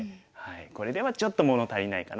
これではちょっと物足りないかな。